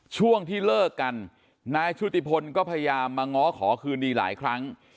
ช่วงที่เลิกกันนายชุติพลก็พยายามมาง้อขอคืนดีหลายครั้ง